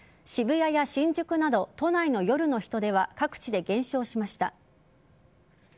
渋谷や新宿など都内の夜の人出は各地で減少しました。